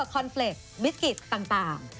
คอนน์เฟลตบิสกิตต่าง